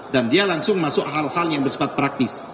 dan dia langsung masuk hal hal yang bersifat praktis